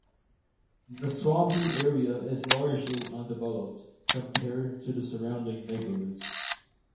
The swampy area is largely undeveloped, compared to the surrounding neighborhoods.